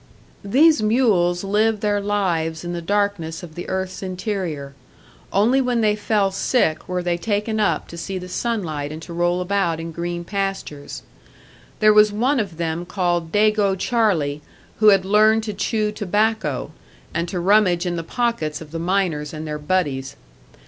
These mules lived their lives in the darkness of the earth's interior; only when they fell sick were they taken up to see the sunlight and to roll about in green pastures. There was one of them called "Dago Charlie," who had learned to chew tobacco, and to rummage in the pockets of the miners and their "buddies."